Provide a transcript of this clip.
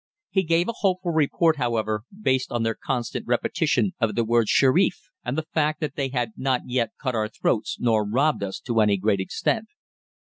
He gave a hopeful report, however, based on their constant repetition of the word "Sherif," and the fact that they had not yet cut our throats nor robbed us to any great extent.